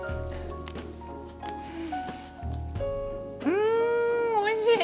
うんおいしい！